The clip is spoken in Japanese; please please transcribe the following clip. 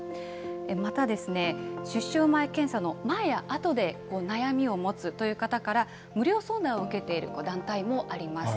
また、出生前検査の前や後で悩みを持つという方から無料相談を受けている団体もあります。